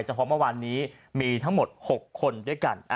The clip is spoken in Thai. เพราะเมื่อวานนี้มีทั้งหมด๖คนด้วยกัน